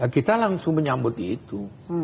kita langsung menyambut itu